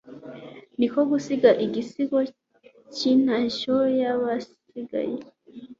ni ko gusiga igisigo cy'intashyo y'abasigaye ati